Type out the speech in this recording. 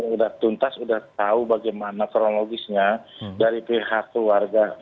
sudah tuntas udah tahu bagaimana kronologisnya dari pihak keluarga